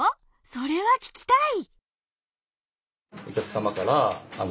それは聞きたい！